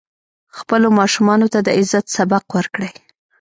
خپلو ماشومانو ته د عزت سبق ورکړئ.